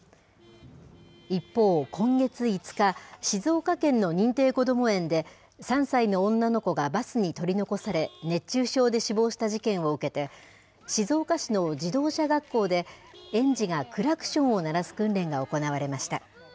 一方、今月５日、静岡県の認定こども園で、３歳の女の子がバスに取り残され、熱中症で死亡した事件を受けて、静岡市の自動車学校で、園児がクラクションを鳴らす訓練が行われました。